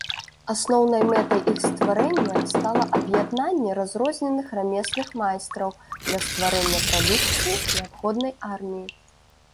Асноўнай мэтай іх стварэння стала аб'яднанне разрозненых рамесных майстраў для стварэння прадукцыі, неабходнай арміі.